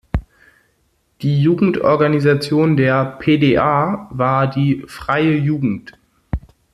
Die Jugendorganisation der PdA war die "Freie Jugend".